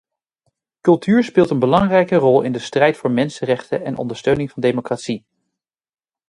Cultuur speelt een belangrijke rol in de strijd voor mensenrechten en ondersteuning van democratie.